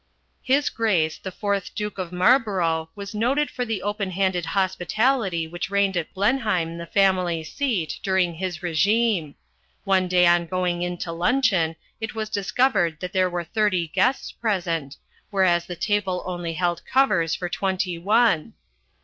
"His Grace the Fourth Duke of Marlborough was noted for the open handed hospitality which reigned at Blenheim, the family seat, during his regime. One day on going in to luncheon it was discovered that there were thirty guests present, whereas the table only held covers for twenty one.